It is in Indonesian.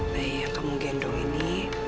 bayi yang kamu gendong ini